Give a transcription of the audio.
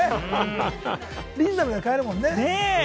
リーズナブルで買えるもんね。